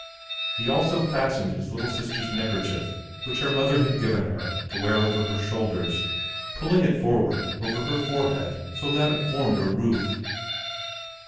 He also fastened his little sister's neckerchief which her mother had given her to wear over her shoulders, pulling it forward over her forehead so that it formed a roof.